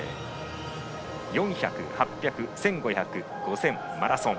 ４００、８００１５００、５０００、マラソン。